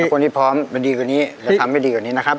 คนที่พร้อมจะดีกว่านี้และทำให้ดีกว่านี้นะครับ